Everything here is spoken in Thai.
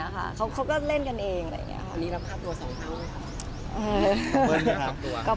เหมือนว่าเล่นติ๊นท่วนช่อง